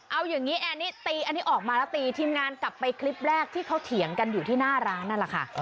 เอาอย่างนี้อันนี้ตีอันนี้ออกมาแล้วตีทีมงานกลับไปคลิปแรกที่เขาเถียงกันอยู่ที่หน้าร้านนั่นแหละค่ะ